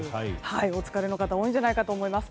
お疲れの方多いんじゃないかと思います。